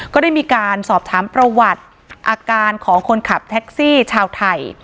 ก็ได้มีการสอบถามประวัติอาการของคนขับแท็กซี่ชาวไทย